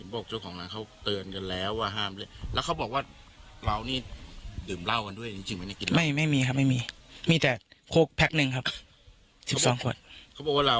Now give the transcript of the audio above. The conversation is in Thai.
พวกเขาเข้าเตือนแล้วล่ะ